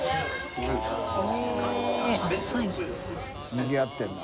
にぎわってるんだ。